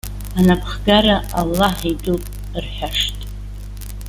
Анапхгара Аллаҳ итәуп!- рҳәашт.